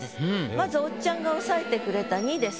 まずおっちゃんが押さえてくれた「に」です。